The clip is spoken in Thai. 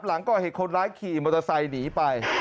หลังก่อเหตุคนร้ายขี่มอเตอร์ไซค์หนีไป